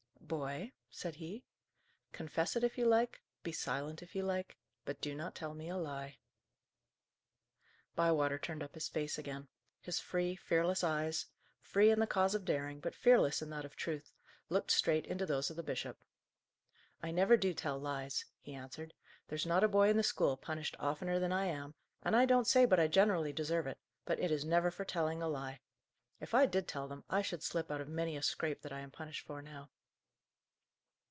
"Boy," said he, "confess it if you like, be silent if you like; but do not tell me a lie." Bywater turned up his face again. His free, fearless eyes free in the cause of daring, but fearless in that of truth looked straight into those of the bishop. "I never do tell lies," he answered. "There's not a boy in the school punished oftener than I am; and I don't say but I generally deserve it! but it is never for telling a lie. If I did tell them, I should slip out of many a scrape that I am punished for now."